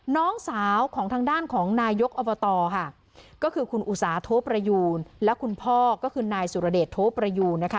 น้องสาวของทางด้านของนายกอบตค่ะก็คือคุณอุสาโทประยูนและคุณพ่อก็คือนายสุรเดชโทประยูนนะคะ